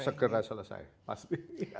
ya tidak selesai pasti